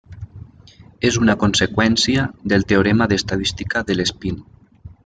És una conseqüència del Teorema d'estadística de l'espín.